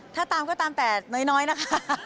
ถ้าตามก็ตามแต่น้อยนะคะ